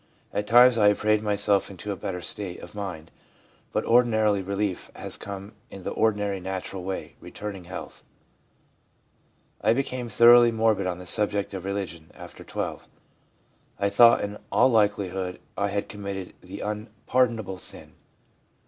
At times I have prayed myself into a better state of mind, but ordinarily relief has come in the ordinary, natural way — returning health.' * I became thoroughly morbid on the subject of religion (after 12). I thought in all likelihood I had committed " the unpardonable sin."